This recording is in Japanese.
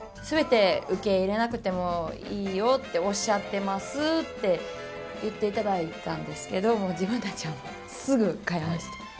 全て受け入れなくてもいいよっておっしゃってますって言って頂いたんですけどもう自分たちはすぐ変えました。